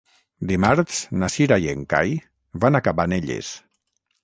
Dimarts na Cira i en Cai van a Cabanelles.